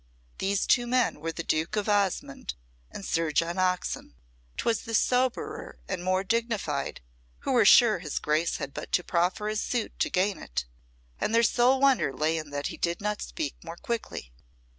These two men were the Duke of Osmonde and Sir John Oxon. 'Twas the soberer and more dignified who were sure his Grace had but to proffer his suit to gain it, and their sole wonder lay in that he did not speak more quickly.